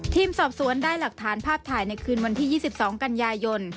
ทีมสอบสวนได้หลักฐานภาพถ่ายในคืนวันที่๒๒กันยายน